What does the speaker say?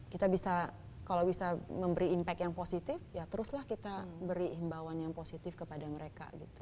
kita bisa kalau bisa memberi impact yang positif ya teruslah kita beri himbauan yang positif kepada mereka gitu